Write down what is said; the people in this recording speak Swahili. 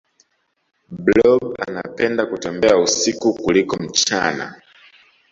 blob anapenda kutembea usiku kuliko mchana